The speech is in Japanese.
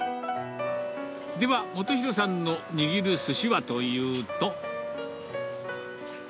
では、元洋さんの握るすしはというと。